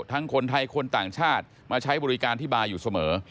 ทั้งคนไทยคนต่างชาติมาใช้บริการที่บาร์อยู่เสมอ